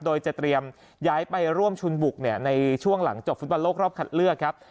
โดยจะเตรียมย้ายไปร่วมชุนบุกในช่วงหลังจบฟุตบอลโลกรอบคัดเลือกครับ